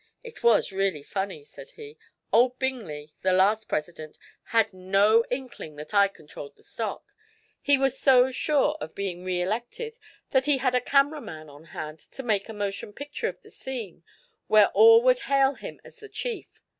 "It was really funny," said he. "Old Bingley, the last president, had no inkling that I controlled the stock. He was so sure of being reelected that he had a camera man on hand to make a motion picture of the scene where all would hail him as the chief.